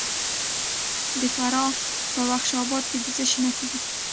د فراه په بخش اباد کې د څه شي نښې دي؟